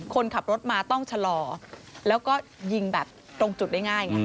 คนขับรถมาต้องชะลอแล้วก็ยิงแบบตรงจุดได้ง่ายไง